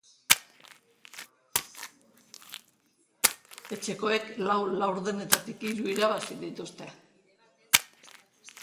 Etxekoek lau laurdenetatik hiru irabazi dituzte.